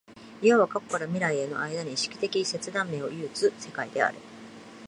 いわば過去から未来への間に意識的切断面を有つ世界である。